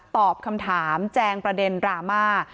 ตอบคำถามแจงประเด็นดราม่า